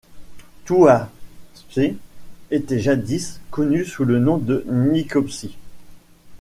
Touapsé était jadis connu sous le nom de Nicopsie.